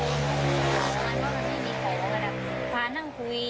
ไม่ได้เปิดก็คือเขาก็พาชวนเรานั่งคุย